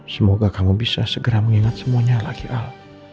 semoga kamu bisa segera mengingat semuanya lagi al